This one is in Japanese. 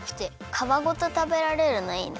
かわごとたべられるのいいね。